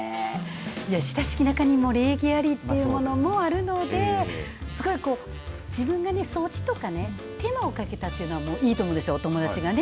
親しき仲にも礼儀ありって言うのもあるのですごい、自分が掃除とかね手間をかけたというのはいいと思うんですよ、友達がね。